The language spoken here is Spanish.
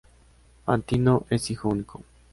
Fantino es hijo único.